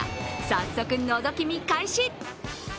早速、のぞき見開始。